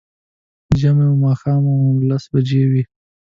ژمی و، ماښام و، لس بجې وې